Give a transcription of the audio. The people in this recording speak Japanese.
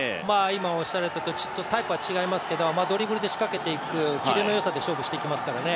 タイプは違いますけど、ドリブルで仕掛けていくキレの良さで勝負していきますからね。